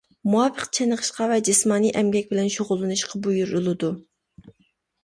مۇۋاپىق چېنىقىشقا ۋە جىسمانىي ئەمگەك بىلەن شۇغۇللىنىشقا بۇيرۇلىدۇ.